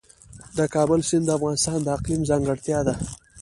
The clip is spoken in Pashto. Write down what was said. د کابل سیند د افغانستان د اقلیم ځانګړتیا ده.